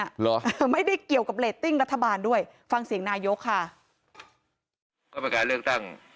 เหรอไม่ได้เกี่ยวกับเรตติ้งรัฐบาลด้วยฟังเสียงนายกค่ะก็เป็นการเลือกตั้ง